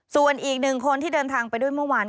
ส่วนอีกหนึ่งคนที่เดินทางไปด้วยเมื่อวาน